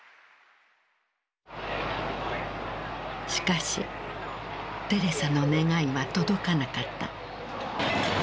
しかしテレサの願いは届かなかった。